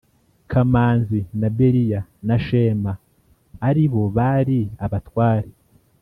kamanzi na Beriya na Shema ari bo bari abatware